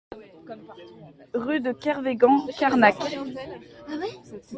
Rue de Kervegan, Carnac